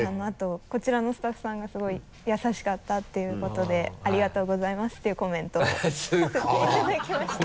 こちらのスタッフさんがすごい優しかったっていうことで「ありがとうございます」というコメントを書かせていただきました